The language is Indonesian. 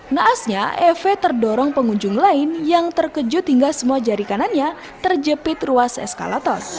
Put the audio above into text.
naasnya efe terdorong pengunjung lain yang terkejut hingga semua jari kanannya terjepit ruas eskalator